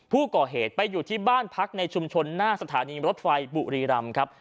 ผู้ก่อเหตุไปอยู่ที่บ้านพักในชุมชนหน้าสถานีรถไฟบุรีรำครับ